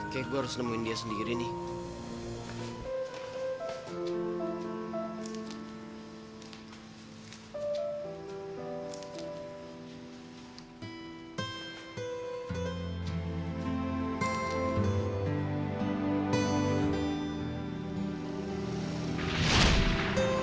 kayaknya gue harus nemuin dia sendiri nih